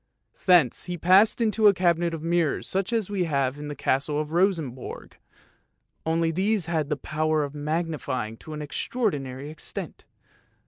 Thence he passed into a cabinet of mirrors such as we have in the Castle of Rosenborg, only these had the power of magnify ing to an extraordinary extent.